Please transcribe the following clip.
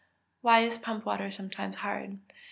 _Why is pump water sometimes hard?